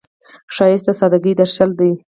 ښایست د سادګۍ درشل دی